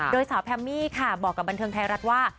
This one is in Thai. โดยสาวแพมมี่ค่ะบอกกับบันเทิงไทยรัฐว่า